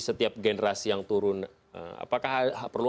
setiap generasi yang turun apakah perlu